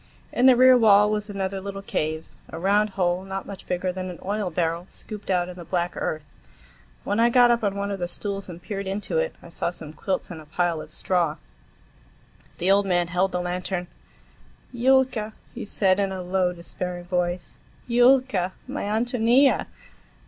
In the rear wall was another little cave; a round hole, not much bigger than an oil barrel, scooped out in the black earth. When I got up on one of the stools and peered into it, I saw some quilts and a pile of straw. The old man held the lantern. "Yulka," he said in a low, despairing voice, "Yulka; my Ántonia!"